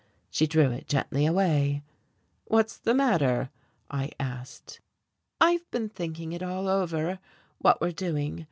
She drew it gently away. "What's the matter?" I asked. "I've been thinking it all over what we're doing.